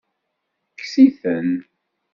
Kkes-iten.